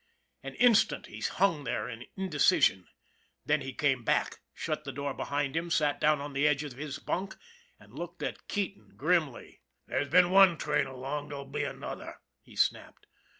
An instant he hung there in indecision, then he came back, shut the door behind him, sat down on the edge of his bunk, and looked at Keating grimly. " There's been one train along, there'll be another," he snapped.